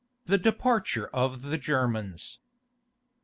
THE DEPARTURE OF THE GERMANS.